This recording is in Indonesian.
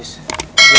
lu pasti bakal putih